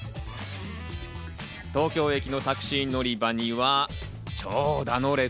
東京駅のタクシー乗り場には長蛇の列。